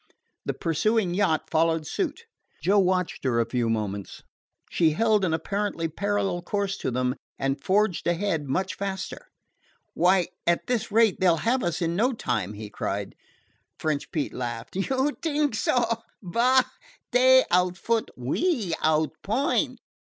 The pursuing yacht followed suit. Joe watched her a few moments. She held an apparently parallel course to them, and forged ahead much faster. "Why, at this rate they 'll have us in no time!" he cried. French Pete laughed. "You t'ink so? Bah! Dey outfoot; we outpoint.